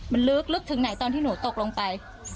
มันลึกถึงไหนตอนที่หนูตกลงไป